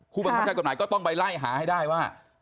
ผู้บังคับใช้กฎหมายก็ต้องไปไล่หาให้ได้ว่า